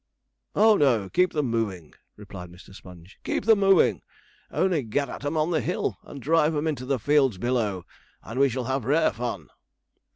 'Oh no, keep them moving,' replied Mr. Sponge, 'keep them moving. Only get at 'em on the hill, and drive 'em into the fields below, and we shall have rare fun.'